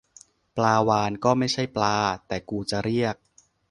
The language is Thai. ปลาวาฬก็ไม่ใช่ปลา แต่กูจะเรียก